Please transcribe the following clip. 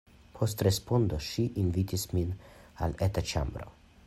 Post respondo, ŝi invitas min al eta ĉambro.